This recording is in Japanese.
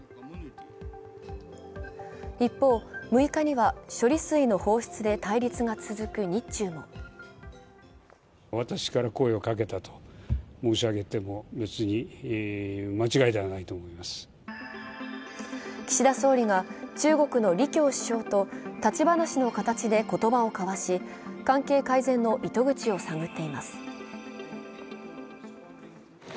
一方、６日には処理水の放出で対立が続く日中も岸田総理が中国の李強首相と立ち話の形で言葉を交わし関係改善の糸口を探っています。